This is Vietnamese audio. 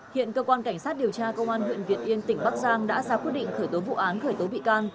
hiện cơ quan cảnh sát điều tra công an huyện việt yên tỉnh bắc giang đã ra quyết định khởi tố vụ án khởi tố bị can